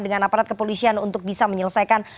dengan aparat kepolisian untuk bisa menyelesaikan